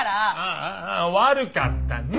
あーあー悪かったな！